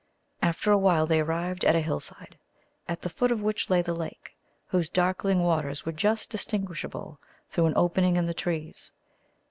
After a while they arrived at a hillside, at the foot of which lay the lake, whose darkling waters were just distinguishable through an opening in the trees.